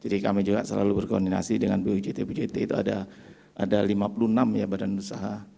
jadi kami juga selalu berkoordinasi dengan pujt pujt itu ada lima puluh enam ya badan usaha